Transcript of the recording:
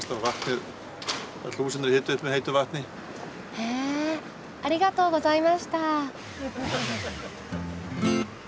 へえありがとうございました。